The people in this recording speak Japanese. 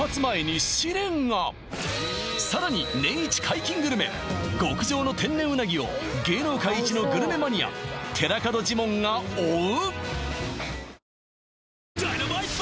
さらに極上の天然うなぎを芸能界一のグルメマニア寺門ジモンが追う！？